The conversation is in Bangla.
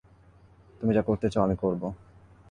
তুমি যা করতে চাও, আমি করবো।